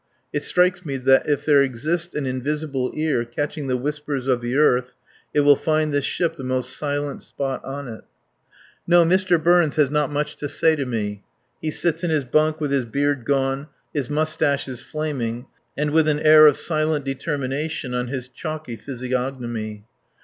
It strikes me that if there exists an invisible ear catching the whispers of the earth, it will find this ship the most silent spot on it. ... "No, Mr. Burns has not much to say to me. He sits in his bunk with his beard gone, his moustaches flaming, and with an air of silent determination on his chalky physiognomy.